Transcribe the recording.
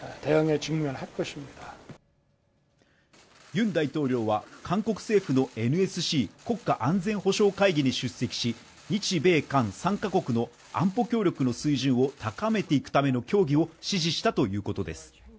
ユン大統領は韓国政府のＮＳＣ＝国家安全保障会議に出席し日米韓３カ国の安保協力の水準を高めていくための協議を指示したということです